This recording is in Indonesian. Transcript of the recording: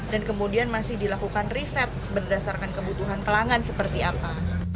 dan kemudian masih dilakukan riset berdasarkan kebutuhan pelanggan seperti apa